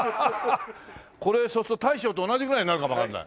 これそうすると大将と同じぐらいになるかもわかんない。